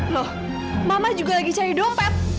loh mama juga lagi cari dompet